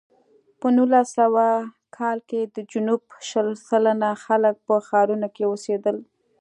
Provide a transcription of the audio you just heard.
په نولس سوه کال کې د جنوب شل سلنه خلک په ښارونو کې اوسېدل.